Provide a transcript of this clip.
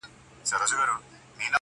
د خپلي کوټې واوري پر بل اچوي.